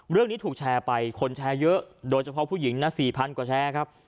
เรื่องนี้ถูกแชร์ไปคนแชร์เยอะโดยเฉพาะผู้หญิงนะ๔๐๐กว่าแชร์ครับ